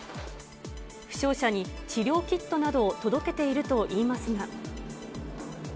負傷者に治療キットなどを届けているといいますが。